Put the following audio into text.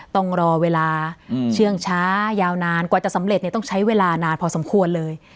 ต้องรอเวลาเชื่องช้ายาวนานกว่าจะสำเร็จต้องใช้เวลานานพอสมควรเลย